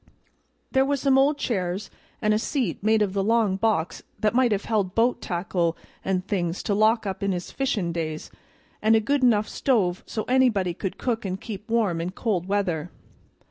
There was some old chairs, an' a seat made of a long box that might have held boat tackle an' things to lock up in his fishin' days, and a good enough stove so anybody could cook and keep warm in cold weather.